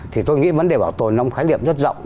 thì tôi nghĩ vấn đề bảo tồn nó một khái niệm rất rộng